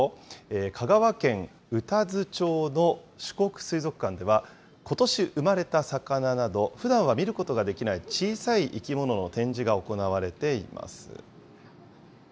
香川県宇多津町の四国水族館では、ことし生まれた魚など、ふだんは見ることができない小さい生き物の展示が行われています。